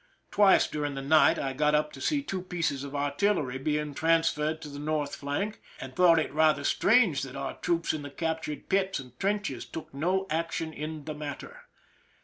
Twice during the night I got up to see two pieces of artillery being transferred to the north flank, and thought it rather strange that our troops in the captured pits and trenches took no action in the matter.